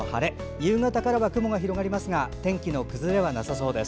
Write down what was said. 夕方からは雲が広がりますが天気の崩れはなさそうです。